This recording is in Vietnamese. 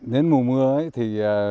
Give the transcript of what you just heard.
đến mùa mưa thì